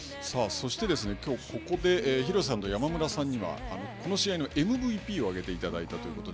そしてですね、きょうここで、廣瀬さんと山村さんには、この試合のＭＶＰを挙げていただいたということで。